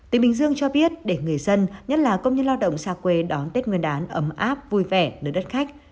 tỉnh bình dương cho biết để người dân nhất là công nhân lao động xa quê đón tết nguyên đán ấm áp vui vẻ nơi đất khách